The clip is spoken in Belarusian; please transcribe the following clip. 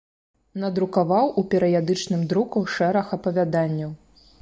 Надрукаваў у перыядычным друку шэраг апавяданняў.